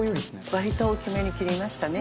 割と大きめに切りましたね。